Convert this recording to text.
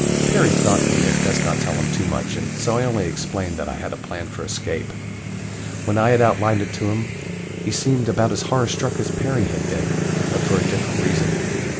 Perry thought we had best not tell him too much, and so I only explained that I had a plan for escape. When I had outlined it to him, he seemed about as horror struck as Perry had been; but for a different reason.